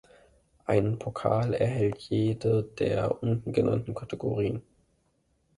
Einen Pokal erhält jede der unten genannten Kategorien.